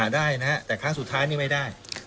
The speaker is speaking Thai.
ได้นะฮะแต่ครั้งสุดท้ายนี่ไม่ได้